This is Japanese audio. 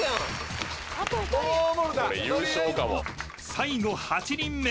［最後８人目。